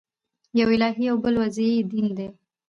یو الهي او بل وضعي دین دئ.